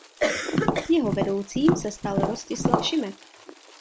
Jeho vedoucím se stal Rostislav Šimek.